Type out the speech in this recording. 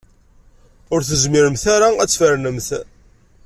Ur tezmiremt ara ad tfernemt.